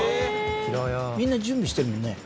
みんな準備してるもんね。